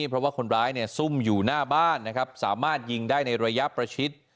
เพราะว่าคนร้ายเนี่ยซุ่มอยู่หน้าบ้านนะครับสามารถยิงได้ในระยะประชิด